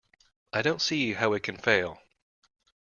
I don't see how it can fail.